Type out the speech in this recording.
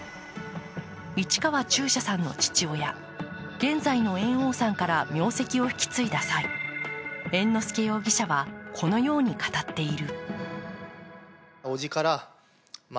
市川中車さんの父親現在の猿扇さんから名跡を引き継いだ際猿之助容疑者はこのように語っている。